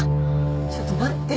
ちょっと待ってよ。